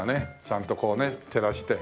ちゃんとこうね照らして。